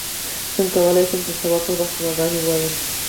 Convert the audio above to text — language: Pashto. څنګه کولی شم د طواف پر وخت دعاګانې ووایم